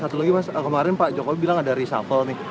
satu lagi mas kemarin pak jokowi bilang ada reshuffle nih